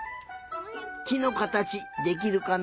きのかたちできるかな？